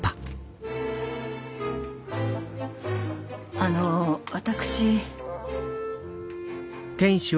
あの私。